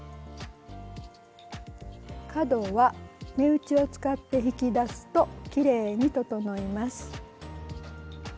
角は目打ちを使って引き出すときれいに整います。